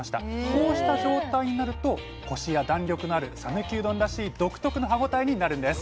こうした状態になるとコシや弾力のある讃岐うどんらしい独特の歯応えになるんです。